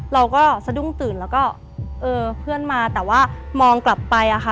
เราก็สะดุ้งตื่นแล้วก็เออเพื่อนมาแต่ว่ามองกลับไปอะค่ะ